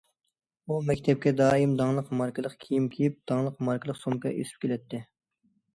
ئۇ مەكتەپكە دائىم داڭلىق ماركىلىق كىيىم كىيىپ، داڭلىق ماركىلىق سومكا ئېسىپ كېلەتتى.